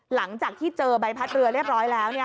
หลังจากที่เจอใบพัดเรือเรียบร้อยแล้ว